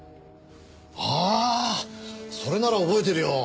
ああそれなら覚えてるよ。